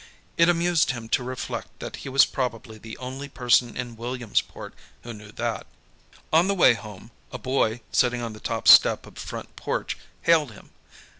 It amused him to reflect that he was probably the only person in Williamsport who knew that. On the way home, a boy, sitting on the top step of a front porch, hailed him.